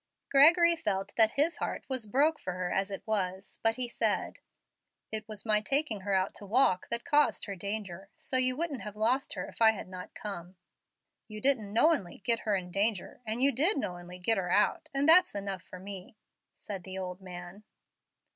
Gregory felt that his heart was "broke" for her as it was, but he said, "It was my taking her out to walk that caused her danger. So you wouldn't have lost her if I had not come." "You didn't knowin'ly git her in danger, and you did knowin'ly git her out, and that's enough for me," said the old man.